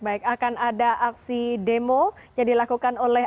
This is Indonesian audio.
baik akan ada aksi demo yang dilakukan oleh